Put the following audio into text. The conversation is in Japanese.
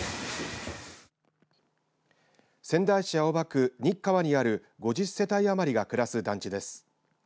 仙台市青葉区新川にある５０世帯余りが暮らす団地です。